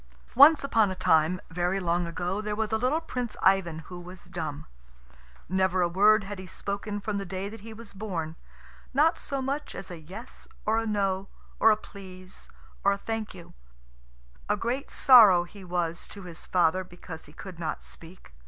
Once upon a time, very long ago, there was a little Prince Ivan who was dumb. Never a word had he spoken from the day that he was born not so much as a "Yes" or a "No," or a "Please" or a "Thank you." A great sorrow he was to his father because he could not speak.